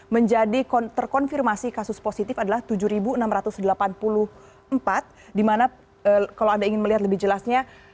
menjadi terkonfirmasi kasus positif adalah tujuh enam ratus delapan puluh empat di mana kalau anda ingin melihat lebih jelasnya